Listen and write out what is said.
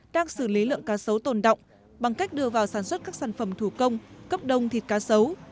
đang xử lý lượng cá sấu tồn động bằng cách đưa vào sản xuất các sản phẩm thủ công cấp đông thịt cá sấu